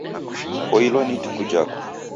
Poilwa ni ituku jako!